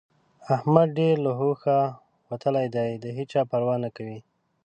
احمد ډېر له هوښه وتلی دی؛ د هيچا پروا نه کوي.